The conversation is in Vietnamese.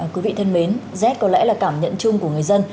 quý vị thân mến rét có lẽ là cảm nhận chung của người dân